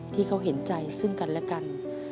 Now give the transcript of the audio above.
ที่เขาเห็นใจซึ่งกันและกัน